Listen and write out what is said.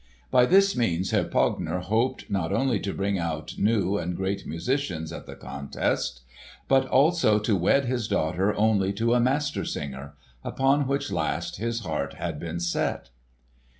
By this means Herr Pogner hoped not only to bring out new and great musicians at the contest, but also to wed his daughter only to a Master Singer—upon which last his heart had been set.